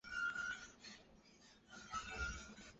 民国十八年于南京卫戍司令任职。